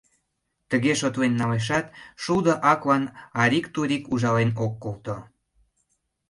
Тыге шотлен налешат, шулдо аклан арик-турик ужален ок колто.